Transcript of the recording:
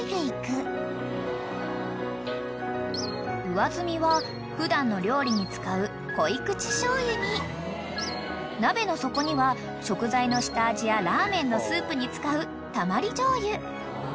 ［上澄みは普段の料理に使う濃口醤油に鍋の底には食材の下味やラーメンのスープに使うたまり醤油］